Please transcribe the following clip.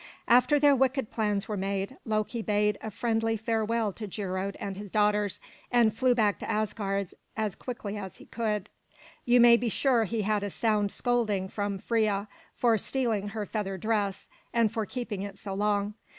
After their wicked plans were made, Loki bade a friendly farewell to Geirröd and his daughters and flew back to Asgard as quickly as he could. You may be sure he had a sound scolding from Freia for stealing her feather dress and for keeping it so long.